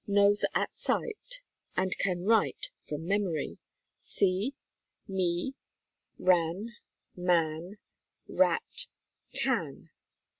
Knows at sight and can write from memory "see," "me," "ran," "man," "rat," "can."